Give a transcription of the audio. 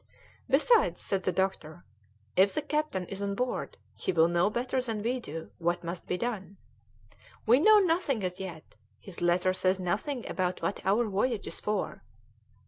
"Besides," said the doctor, "if the captain is on board he will know better than we do what must be done. We know nothing as yet; his letter says nothing about what our voyage is for."